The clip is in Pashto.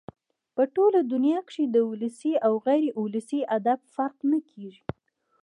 په ټوله دونیا کښي د ولسي او غیر اولسي ادب فرق نه کېږي.